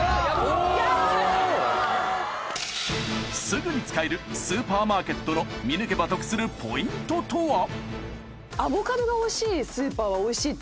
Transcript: ［すぐに使えるスーパーマーケットの見抜けば得するポイントとは？］